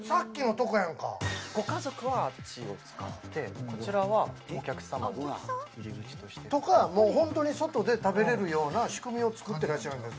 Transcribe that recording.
ご家族は、あっちを使って、こちらはお客様の本当に外で食べれるような仕組みを作ってらっしゃるんです。